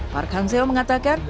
park hang seo mengatakan